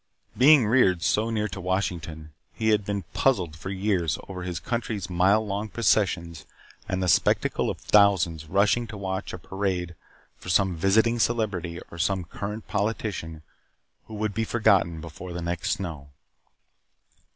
Being reared so near to Washington, he had been puzzled for years over his country's mile long processions and the spectacle of thousands rushing to watch a parade for some visiting celebrity or some current politician who would be forgotten before the next snow.